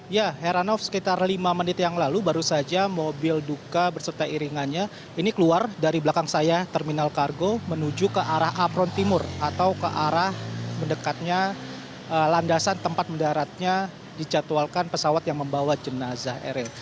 ya heranov sekitar lima menit yang lalu baru saja mobil duka berserta iringannya ini keluar dari belakang saya terminal kargo menuju ke arah apron timur atau ke arah mendekatnya landasan tempat mendaratnya dijadwalkan pesawat yang membawa jenazah eril